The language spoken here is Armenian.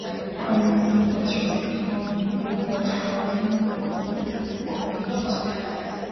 Այնուհետև բարձրահաճախային (մոդուլված) ազդանշանը ուժեղացվում է և ուղարկվում գիծ։